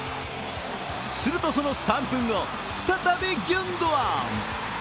するとその３分後再びギュンドアン。